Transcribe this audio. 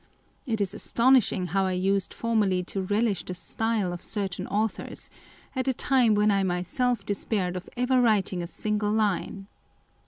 It is astonishing how I used formerly to relish the style of certain authors, at a time when I myself despaired of ever writing a single line.